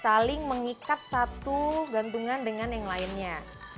saling mengikat satu gantungan dengan yang lainnya